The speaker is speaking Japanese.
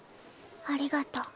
ありがとう。